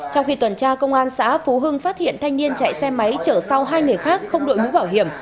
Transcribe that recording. trong khi tuần tra công an xã phú hưng phát hiện thanh niên chạy xe máy chở sau hai người khác không đội mũ bảo hiểm